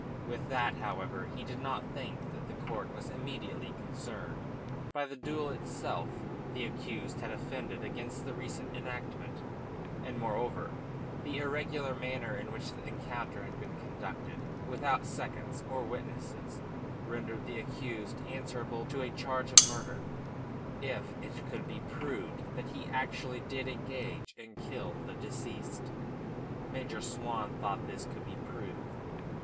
With that, however, he did not think that the court was immediately concerned. By the duel itself the accused had offended against the recent enactment, and, moreover, the irregular manner in which the encounter had been conducted, without seconds or witnesses, rendered the accused answerable to a charge of murder, if it could be proved that he actually did engage and kill the deceased. Major Swan thought this could be proved.